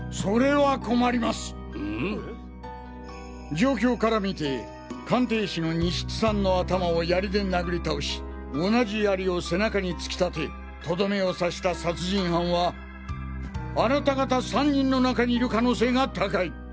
状況から見て鑑定士の西津さんの頭を槍で殴り倒し同じ槍を背中に突き立てトドメを刺した殺人犯はあなた方３人の中にいる可能性が高い！